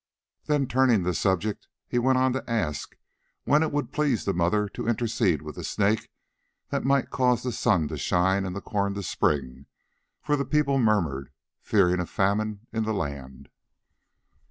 Then turning the subject, he went on to ask when it would please the Mother to intercede with the Snake that he might cause the sun to shine and the corn to spring, for the people murmured, fearing a famine in the land.